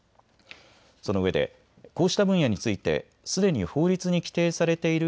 そのうえでこうした分野についてすでに法律に規定されている